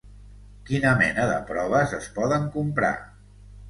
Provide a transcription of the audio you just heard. Quina mena de proves es podran comprar?